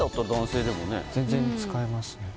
全然使えますね